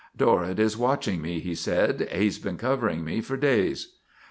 "Dorrett is watching me," he said. "He's been covering me for days."